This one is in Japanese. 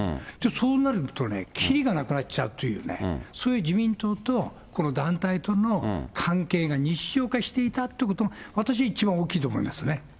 そうなるとね、切りがなくなっちゃうという、そういう自民党とこの団体との関係が日常化していたということが、私、一番大きいと思いますね。